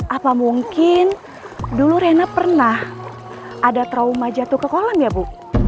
apa mungkin dulu rena pernah ada trauma jatuh ke kolam gak bu